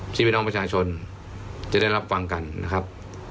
พี่น้องประชาชนจะได้รับฟังกันนะครับ